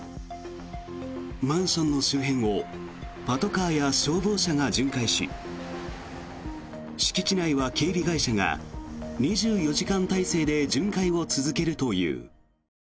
マンションの周辺をパトカーや消防車が巡回し敷地内は警備会社が２４時間体制で巡回を続けるという。